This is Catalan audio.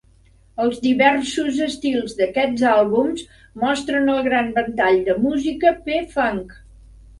Els diversos estils d'aquests àlbums mostren el gran ventall de música P-Funk.